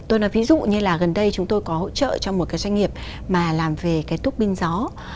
tôi nói ví dụ như là gần đây chúng tôi có hỗ trợ cho một cái doanh nghiệp mà làm về cái túc binh gió